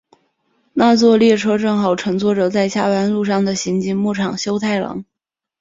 那辆列车正好乘坐着在下班路上的刑警木场修太郎。